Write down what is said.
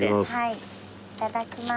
いただきます。